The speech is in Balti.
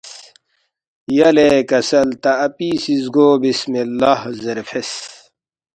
یلے کسل تا اپی سی زگو بسم اللّٰہ زیرے فیس